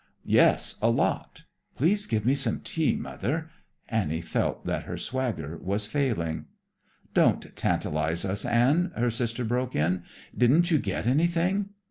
"Yes, a lot. Please give me some tea, mother." Annie felt that her swagger was failing. "Don't tantalize us, Ann," her sister broke in. "Didn't you get anything?"